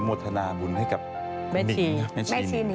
อโนโมทนาบุญให้กับคุณนิง